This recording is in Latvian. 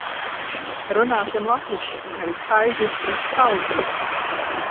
Runāsim latviski! Nevis haizivs, bet čau, zivs!